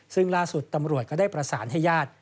ซึ่งล่าสุดตำรวจก็ได้ประสานให้ญาติ